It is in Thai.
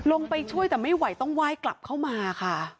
ลงไปช่วยแต่ไม่ไหวต้องไหว้กลับเข้ามาค่ะ